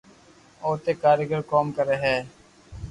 اوتي ڪاريگر ڪوم ڪري ھي